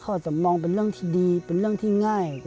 เขาอาจจะมองเป็นเรื่องที่ดีเป็นเรื่องที่ง่าย